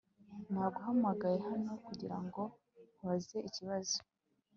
Naguhamagaye hano kugirango nkubaze ikibazo